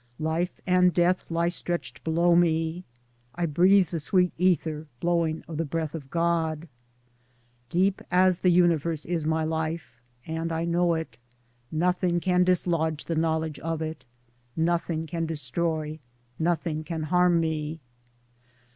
Life and death lie stretched below me. I breathe the sweet aether blowing of the breath of God. Deep as the universe is my life — and I know it ; nothing can dislodge the knowledge of it j nothing can destroy, nothing can harm me.